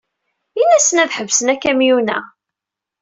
Ini-asen ad ḥebsen akamyun-a.